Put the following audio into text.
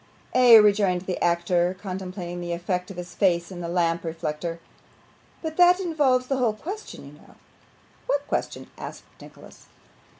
'Ay,' rejoined the actor, contemplating the effect of his face in a lamp reflector, 'but that involves the whole question, you know.' 'What question?' asked Nicholas.